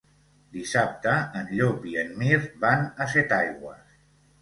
Dissabte en Llop i en Mirt van a Setaigües.